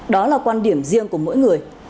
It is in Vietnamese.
đó là quan điểm riêng của mỗi người